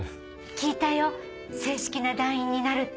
聞いたよ正式な団員になるって。